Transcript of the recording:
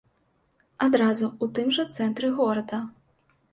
Адразу ў тым жа цэнтры горада.